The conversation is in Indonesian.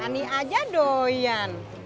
ani aja doyan